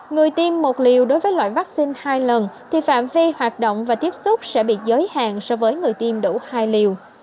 người tiêm một liều đối với loại vaccine hai lần thì phạm vi hoạt động và tiếp xúc sẽ bị giới hạn so với người tiêm đủ hai liều